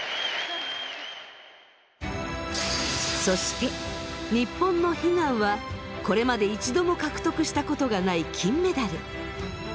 そして日本の悲願はこれまで一度も獲得したことがない金メダル。